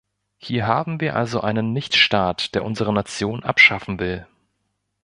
Hier haben wir also einen Nicht-Staat, der unsere Nation abschaffen will.